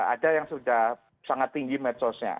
ada yang sudah sangat tinggi medsosnya